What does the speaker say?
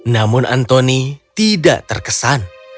namun anthony tidak terkesan